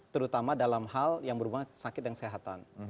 terutama dalam hal yang berhubungan sakit dan kesehatan